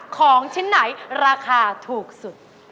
ของชิ้นไหนราคาถูกสุด